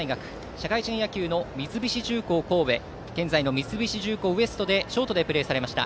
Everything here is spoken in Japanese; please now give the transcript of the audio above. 社会人野球の三菱重工神戸現在の三菱重工Ｗｅｓｔでショートでプレーされました。